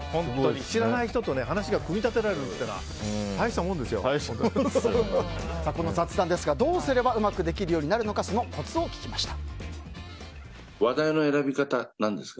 知らない人と話が組み立てられるのはこの雑談ですがどうすればうまくできるようになるのかそのコツを聞きました。